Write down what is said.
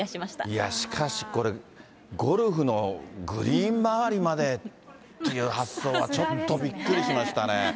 いや、しかし、これ、ゴルフのグリーン周りまでっていう発想はちょっとびっくりしましたね。